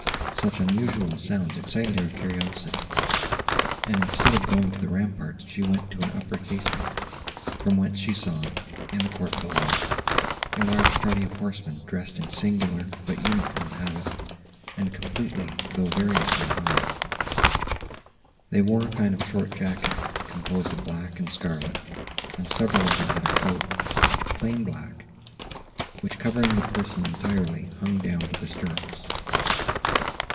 Such unusual sounds excited her curiosity; and, instead of going to the ramparts, she went to an upper casement, from whence she saw, in the court below, a large party of horsemen, dressed in a singular, but uniform, habit, and completely, though variously, armed. They wore a kind of short jacket, composed of black and scarlet, and several of them had a cloak, of plain black, which, covering the person entirely, hung down to the stirrups.